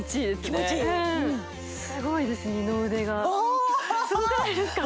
気持ちいいうんすごいです二の腕がああっすごくないですか？